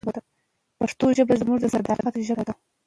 پښتو ژبه زموږ د صداقت ژبه ده.